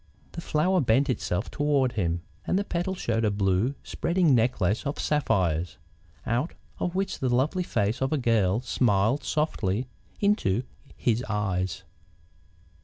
The flower bent itself toward him, and the petals showed a blue, spreading necklace of sapphires, out of which the lovely face of a girl smiled softly into his eyes.